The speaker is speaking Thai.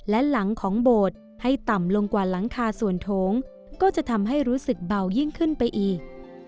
และหลังของโบสถ์ให้ต่ำลงกว่าหลังคาส่วนโถงก็จะทำให้รู้สึกเบายิ่งขึ้นไปอีก